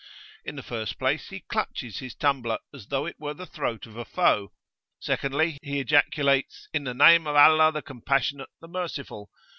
In the first place he clutches his tumbler as though it were the throat of a foe; secondly, he ejaculates, "In the name of Allah the Compassionate, the Merciful!"